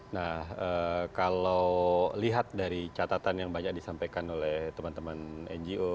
nah kalau lihat dari catatan yang banyak disampaikan oleh teman teman ngo